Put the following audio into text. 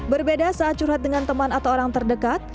berbeda saat curhat dengan teman atau orang terdekat